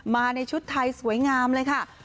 มาในชุดไทยสวยงามเลยค่ะ